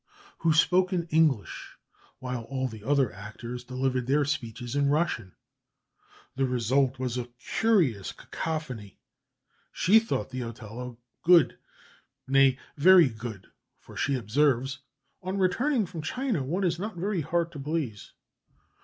who spoke in English, while all the other characters delivered their speeches in Russian. The result was a curious cacophony. She thought the Othello good, nay, very good, for, she observes, "On returning from China one is not very hard to please."